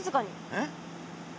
えっ？